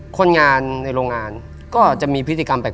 คนงานในโรงงานก็จะมีพฤติกรรมแปลก